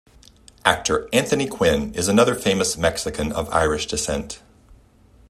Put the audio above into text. Actor Anthony Quinn is another famous Mexican of Irish descent.